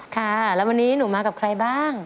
ค่ะแล้ววันนี้หนูมากับใครบ้าง